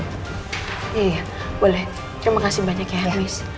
iya boleh terima kasih banyak ya habis